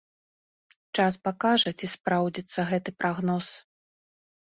Час пакажа, ці спраўдзіцца гэты прагноз.